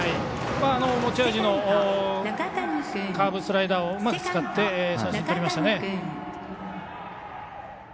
持ち味のカーブスライダーをうまく使って三振とりましたね。